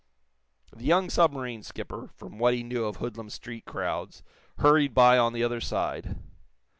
The young submarine skipper, from what he knew of hoodlum street crowds, hurried by on the other side.